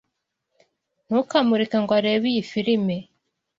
Ntukamureke ngo arebe iyi film.